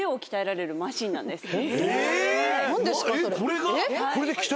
これが？